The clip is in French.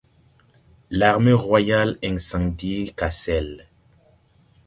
L'armée royale incendie Cassel.